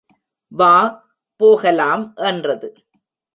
வா, போகலாம் என்றது.